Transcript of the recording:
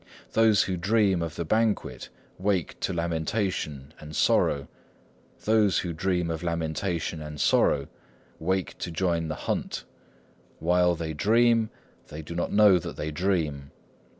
"Those who dream of the banquet wake to lamentation and sorrow. Those who dream of lamentation and sorrow wake to join the hunt. While they dream, they do not know that they dream.